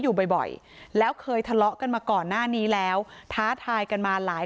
อยู่บ่อยแล้วเคยทะเลาะกันมาก่อนหน้านี้แล้วท้าทายกันมาหลาย